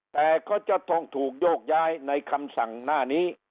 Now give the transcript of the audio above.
แต่ก็จะต้องถูกโยกย้ายในคำสั่งหน้านี้